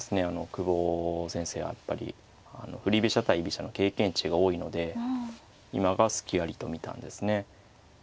久保先生はやっぱり振り飛車対居飛車の経験値が多いので今が隙ありと見たんですね。